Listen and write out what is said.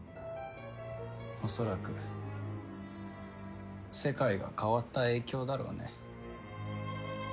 恐らく世界が変わった影響だろうね。